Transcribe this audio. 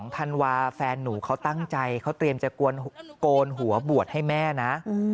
ธันวาแฟนหนูเขาตั้งใจเขาเตรียมจะโกนหัวบวชให้แม่นะ